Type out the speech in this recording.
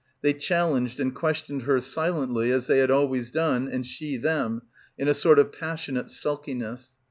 They challenged and questioned her silently as they had always done and she them, in a sort of passionate sulkiness.